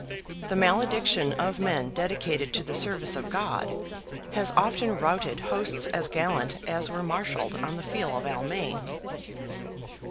The malediction of men dedicated to the service of God, has often routed hosts as gallant as were marshalled on the field of Almain.